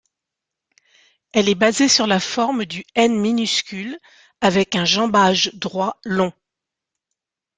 Elle est basée sur la forme du N minuscule avec un jambage droit long.